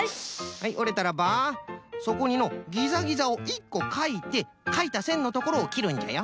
はいおれたらばそこにのギザギザを１こかいてかいたせんのところをきるんじゃよ。